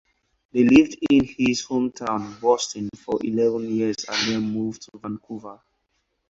They lived in his hometown, Boston, for eleven years and then moved to Vancouver.